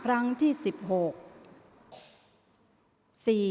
ออกรางวัลที่๖เลขที่๗